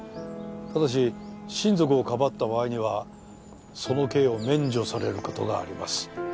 ただし親族をかばった場合にはその刑を免除される事があります。